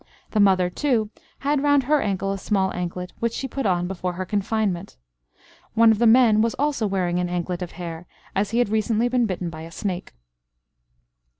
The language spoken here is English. The mother, too, had round her ankle a similar anklet, which she put on before her confinement. One of the men was also wearing an anklet of hair, as he had recently been bitten by a snake.